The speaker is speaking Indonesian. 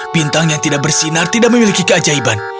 bintang yang tidak bersinar tidak memiliki keajaiban